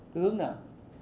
cứ hướng nào